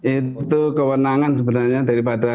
itu kewenangan sebenarnya daripada